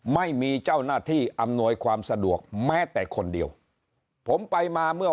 ไม่มีเจ้าหน้าที่อำนวยความสะดวกแม้แต่คนเดียวผมไปมาเมื่อ